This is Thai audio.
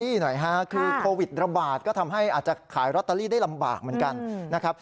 นี่หน่อยฮะคือโควิดระบาดก็ทำให้อาจจะขายลอตเตอรี่ได้ลำบากเหมือนกันนะครับ